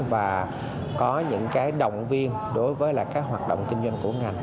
và có những cái động viên đối với các hoạt động kinh doanh của ngành